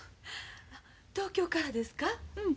東京からですか？